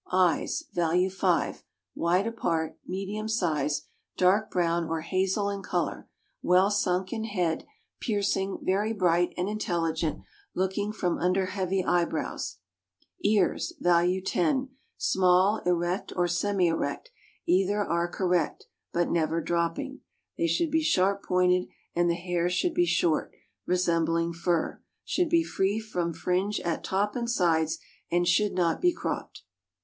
Eyes (value 5) wide apart, medium size, dark brown or hazel in color, well sunk in head, piercing, very bright, and intelligent — looking from under heavy eyebrows. Ears (value 10) small, erect, or semi erect — either are correct— but never dropping. They should be sharp pointed, and the hair should be short, resembling fur; should be free from fringe at top and sides, and should not be cropped.